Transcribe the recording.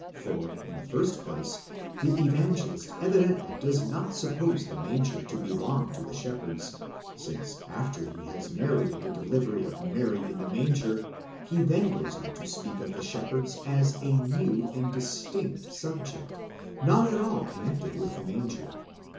For, in the first place, the Evangelist evidently does not suppose the manger to belong to the shepherds: since after he has narrated the delivery of Mary in the manger, he then goes on to speak of the shepherds as a mew and distinct subject, not at all connected with the manger.